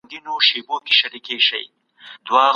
دوی به د غوښتنو د کنټرول په لاره کي له پوهي کار اخیست.